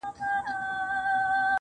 د خدای د عرش قهر د دواړو جهانونو زهر,